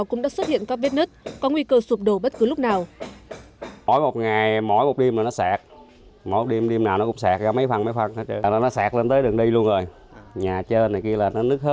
cũng đã xuất hiện các vết nứt có nguy cơ sụp đổ bất cứ lúc nào